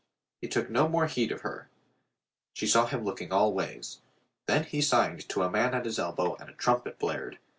He took no more heed of her. She saw him looking all ways. Then he signed to a man at his elbow and a trumpet blared.